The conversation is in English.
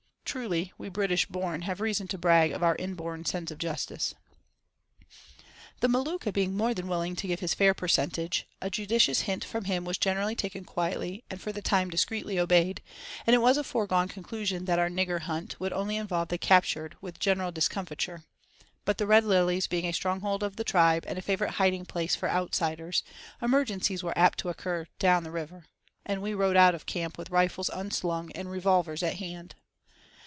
Truly we British born have reason to brag of our "inborn sense of justice." The Maluka being more than willing to give his fair percentage, a judicious hint from him was generally taken quietly and for the time discreetly obeyed, and it was a foregone conclusion that our "nigger hunt" would only involve the captured with general discomfiture; but the Red Lilies being a stronghold of the tribe, and a favourite hiding place for "outsiders," emergencies were apt to occur "down the river," and we rode out of camp with rifles unslung and revolvers at hand.